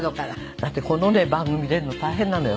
だってこの番組出るの大変なのよ。